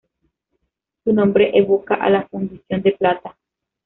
Su nombre evoca a la fundición de plata.